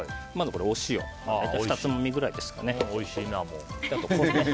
お塩、２つまみぐらいですかね。